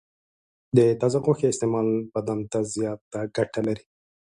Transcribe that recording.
د تازه غوښې استعمال بدن ته زیاته ګټه لري.